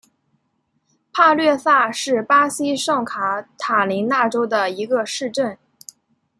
帕略萨是巴西圣卡塔琳娜州的一个市镇。